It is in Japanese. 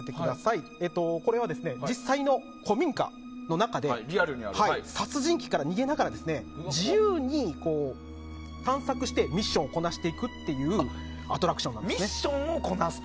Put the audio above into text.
これは実際の古民家の中で殺人鬼から逃げながら自由に探索してミッションをこなしていくというアトラクションなんです。